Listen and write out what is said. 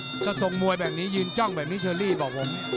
ถ้าทรงมวยแบบนี้ยืนจ้องแบบนี้เชอรี่บอกผม